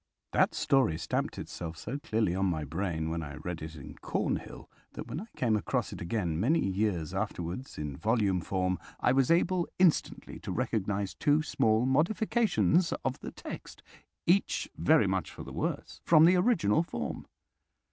That story stamped itself so clearly on my brain when I read it in Cornhill that when I came across it again many years afterwards in volume form, I was able instantly to recognize two small modifications of the text—each very much for the worse—from the original form.